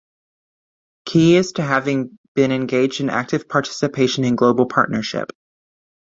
Key is to having been engaged in active participation in global partnership.